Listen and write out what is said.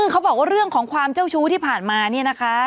เขาบอกว่าเรื่องของความเจ้าชู้ที่ผ่านมาเนี่ยนะคะ